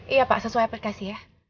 iya pak sesuai aplikasi ya